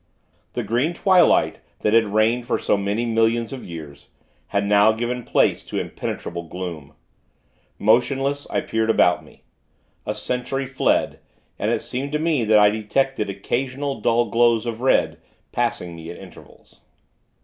The green twilight that had reigned for so many millions of years, had now given place to impenetrable gloom. Motionless, I peered about me. A century fled, and it seemed to me that I detected occasional dull glows of red, passing me at intervals.